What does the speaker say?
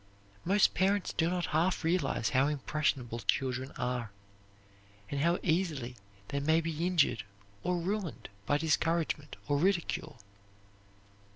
Most parents do not half realize how impressionable children are, and how easily they may be injured or ruined by discouragement or ridicule.